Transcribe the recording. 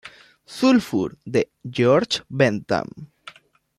Sulphur" de George Bentham.